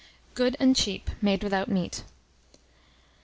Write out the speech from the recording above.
(Good and Cheap, made without Meat.)